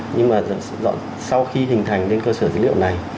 nhưng mà sau khi hình thành lên cơ sở dữ liệu này